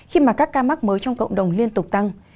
khi mà các ca mắc mới trong cộng đồng liên tục tăng